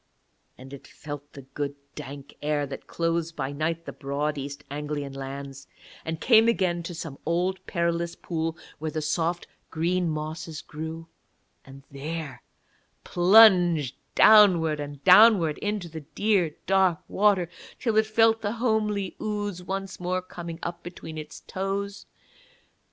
And it felt the good dank air that clothes by night the broad East Anglian lands, and came again to some old perilous pool where the soft green mosses grew, and there plunged downward and downward into the dear dark water till it felt the homely ooze once more coming up between its toes.